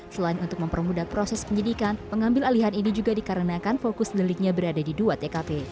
selain untuk mempermudah proses penyidikan pengambil alihan ini juga dikarenakan fokus deliknya berada di dua tkp